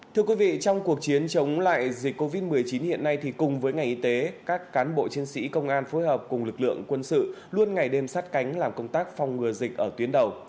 thưa quý vị trong cuộc chiến chống lại dịch covid một mươi chín hiện nay thì cùng với ngành y tế các cán bộ chiến sĩ công an phối hợp cùng lực lượng quân sự luôn ngày đêm sát cánh làm công tác phòng ngừa dịch ở tuyến đầu